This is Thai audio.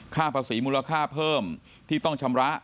ค่าภาษีมูลค่าเพิ่มที่ต้องชำระ